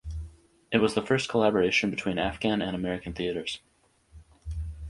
It was the first collaboration between Afghan and American theatres.